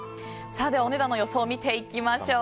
お値段の予想を見ていきましょう。